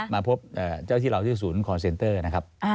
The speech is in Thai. มาพบเจ้าที่เราที่ศูนย์คอนเซนเตอร์นะครับ